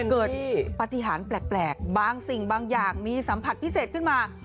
เกิดปฏิหารแปลกบางสิ่งบางอย่างมีสัมผัสพิเศษขึ้นมา